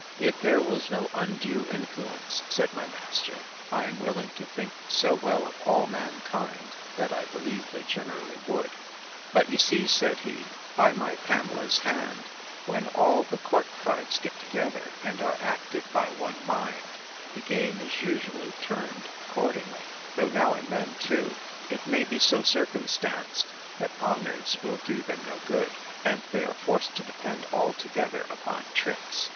If there was no undue influence, said my master, I am willing to think so well of all mankind, that I believe they generally would. But you see, said he, by my Pamela's hand, when all the court cards get together, and are acted by one mind, the game is usually turned accordingly: Though now and then, too, it may be so circumstanced, that honours will do them no good, and they are forced to depend altogether upon tricks.